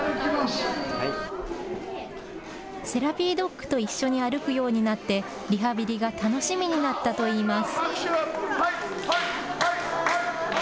セラピードッグと一緒に歩くようになってリハビリが楽しみになったといいます。